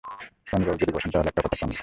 চন্দ্রবাবু যদি বসেন তা হলে একটা কথা– চন্দ্র।